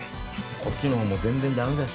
こっちの方も全然駄目だし。